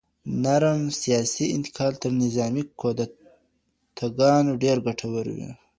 نرم سیاسي انتقال تر نظامي کودتاګانو ډېر ګټور وي.